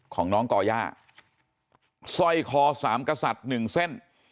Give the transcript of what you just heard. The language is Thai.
ของน้องก่อย่าสร้อยคอสามกษัตริย์หนึ่งเส้น